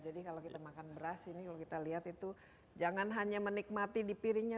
jadi kalau kita makan beras ini kalau kita lihat itu jangan hanya menikmati di piringnya